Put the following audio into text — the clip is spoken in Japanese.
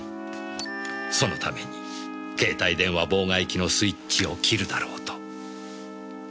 そのために携帯電話妨害機のスイッチを切るだろうと。